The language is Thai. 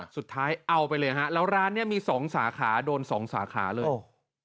เอาไปเลยฮะแล้วร้านนี้มีสองสาขาโดนสองสาขาเลย